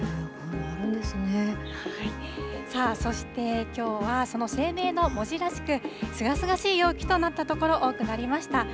へぇ、さあ、そしてきょうはその清明の文字らしく、すがすがしい陽気となった所、多くありました。